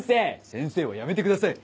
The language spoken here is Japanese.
「先生」はやめてください。